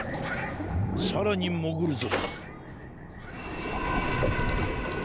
さらにもぐるぞ。